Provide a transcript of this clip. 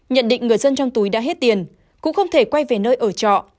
nhận định người dân trong túi đã hết tiền cũng không thể quay về nơi ở trọ